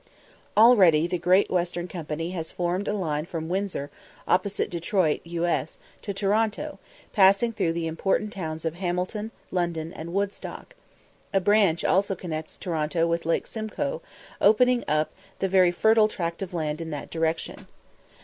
Already the Great Western Company has formed a line from Windsor, opposite Detroit, U. S., to Toronto, passing through the important towns of Hamilton, London, and Woodstock: a branch also connects Toronto with Lake Simcoe, opening up the very fertile tract of land in that direction.